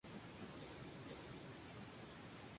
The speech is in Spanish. La base de las hojas son redondeadas o cuneiformes.